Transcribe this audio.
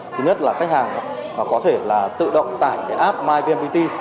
thứ nhất là khách hàng có thể tự động tải app myvnpt